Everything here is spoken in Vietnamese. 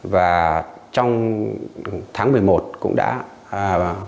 và trong tháng một mươi một cũng đã phổ biến